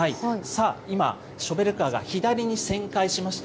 さあ、今、ショベルカーが左に旋回しました。